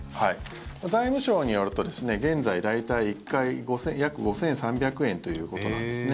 財務省によると現在、大体、１回約５３００円ということなんですね。